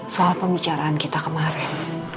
soal pembicaraan kita kemarin